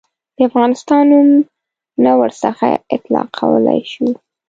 د افغانستان نوم نه ورڅخه اطلاقولای شو.